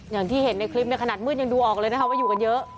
อย่างที่เห็นในคลิปเนี่ยขนาดมืดยังดูออกเลยนะคะว่าอยู่กันเยอะ